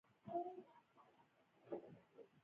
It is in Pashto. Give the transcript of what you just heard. وکیلان ورسېدل.